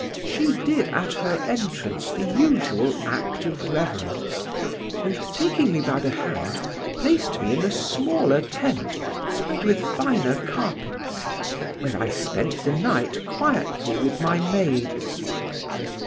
She did, at her entrance, the usual act of reverence, and, taking me by the hand placed me in a smaller tent, spread with finer carpets, where I spent the night quietly with my maids.